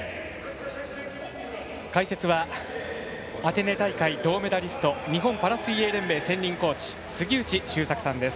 解説はアテネ大会銅メダリスト日本パラ水泳連盟専任コーチ杉内周作さんです。